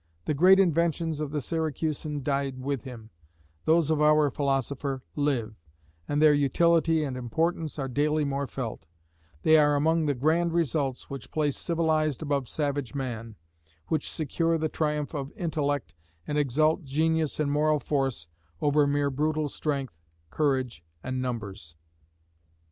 The great inventions of the Syracusan died with him those of our philosopher live, and their utility and importance are daily more felt; they are among the grand results which place civilised above savage man which secure the triumph of intellect, and exalt genius and moral force over mere brutal strength, courage and numbers.